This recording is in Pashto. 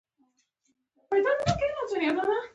نجونې به تر هغه وخته پورې په پوهنتونونو کې څیړنې کوي.